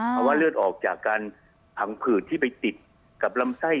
เพราะว่าเลือดออกจากการผังผืดที่ไปติดกับลำไส้